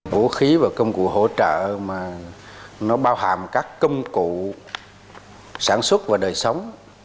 vũ khí và công cụ hỗ trợ mà nó bao hàm các công cụ sản xuất và đời sống